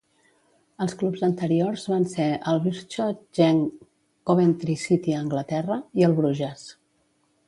Els clubs anteriors van ser el Beerschot, Genk, Coventry City a Anglaterra i el Bruges.